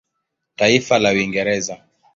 Taifa lake Uingereza.